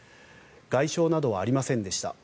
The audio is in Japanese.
外傷などはありませんでした。